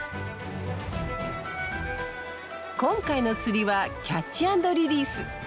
今回の釣りはキャッチ・アンド・リリース。